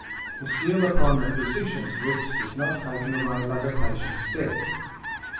The seal upon the physicians lips is not taken away by the patient's death .